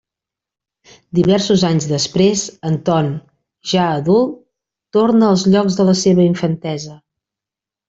Diversos anys després, Anton ja adult torna als llocs de la seva infantesa.